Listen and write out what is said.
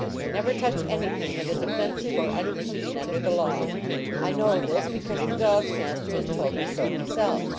never touch anything that is offensive or unclean under the law; I know this, because the dog s mas ter has told me so himself.